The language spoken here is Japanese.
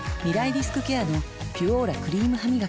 リスクケアの「ピュオーラ」クリームハミガキ